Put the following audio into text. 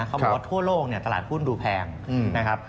เขาบอกว่าทั่วโลกเนี่ยตลาดหุ้นดูแพงนะครับ